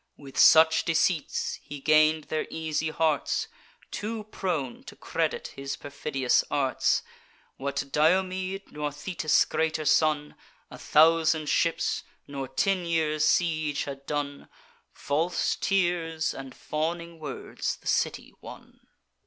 "With such deceits he gain'd their easy hearts, Too prone to credit his perfidious arts. What Diomede, nor Thetis' greater son, A thousand ships, nor ten years' siege, had done: False tears and fawning words the city won.